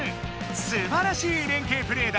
すばらしいれんけいプレーだ！